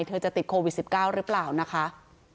เธอจะติดโควิด๑๙หรือเปล่านะคะ